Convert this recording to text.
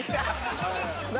何？